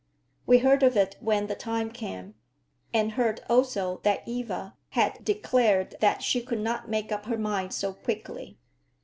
We heard of it when the time came, and heard also that Eva had declared that she could not make up her mind so quickly.